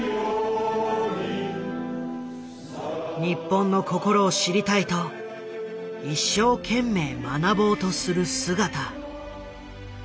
日本の心を知りたいと一生懸命学ぼうとする姿。